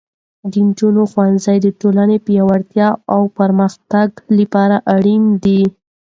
د نجونو ښوونځی د ټولنې پیاوړتیا او پرمختګ لپاره اړین دی.